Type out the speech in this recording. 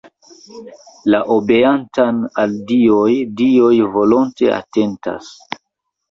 La obeantan al dioj dioj volonte atentas.